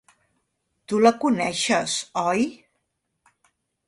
Tu la coneixes, oi?